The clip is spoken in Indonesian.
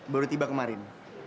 baru tiba kemarin